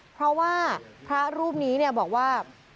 เพราะว่าพระรูปนี้บอกว่า